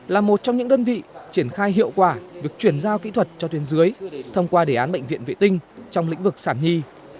là một trong những đơn vị triển khai hiệu quả việc chuyển giao kỹ thuật cho tuyến dưới thông qua đề án bệnh viện vệ tinh trong lĩnh vực sản nhi